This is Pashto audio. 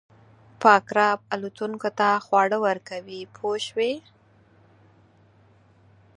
پاک رب الوتونکو ته خواړه ورکوي پوه شوې!.